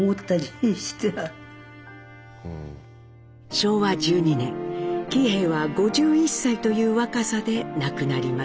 昭和１２年喜兵衛は５１歳という若さで亡くなります。